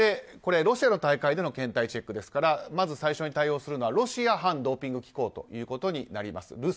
ロシアの大会での検体チェックですからまず最初に対応するのはロシア反ドーピング機構ということになります。